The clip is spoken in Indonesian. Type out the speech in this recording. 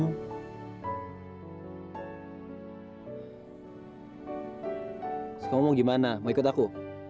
terus kamu mau gimana mau ikut aku